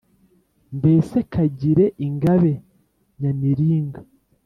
Mbese kagire ingabe Nyamiringa*,